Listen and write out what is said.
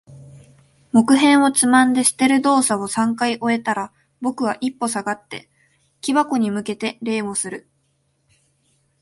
木片をつまんで捨てる動作を三回終えたら、僕は一歩下がって、木箱に向けて礼をする。